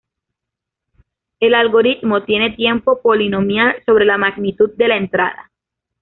El algoritmo tiene tiempo polinomial sobre la magnitud de la entrada.